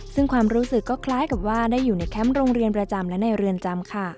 ซึ่งความรู้สึกก็คล้ายกับว่าได้อยู่ในแคมป์โรงเรียนประจำและในเรือนจำค่ะ